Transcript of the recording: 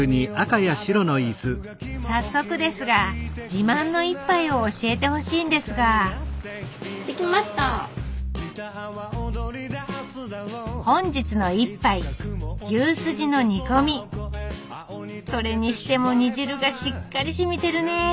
早速ですが自慢の一杯を教えてほしいんですが本日の一杯それにしても煮汁がしっかりしみてるね！